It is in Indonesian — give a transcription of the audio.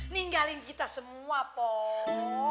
ninggalin kita semua pok